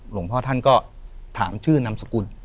หลวงพ่อท่านก็ถามชื่อนามสกุล